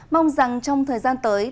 mong rằng trong thời gian tới